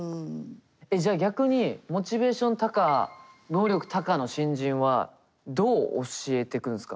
えっじゃあ逆にモチベーション高能力高の新人はどう教えてくんすか？